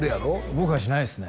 僕はしないですね